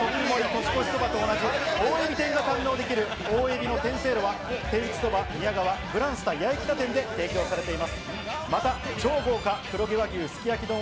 年越しそばと同じ、大海老天を堪能できる大海老の天せいろは手打ちそばみや川グランスタ八重北店で提供されています。